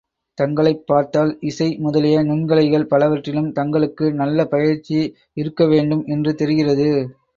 தங்களைப் பார்த்தால் இசை முதலிய நுண்கலைகள் பலவற்றிலும் தங்களுக்கு நல்லபயிற்சி இருக்க வேண்டும் என்று தெரிகிறது.